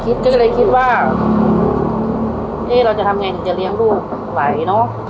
ก็เลยคิดว่าเอ๊ะเราจะทำไงถึงจะเลี้ยงลูกไหวเนอะ